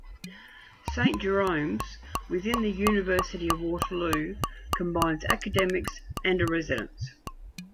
Saint Jerome's, within the University of Waterloo, combines academics and a residence.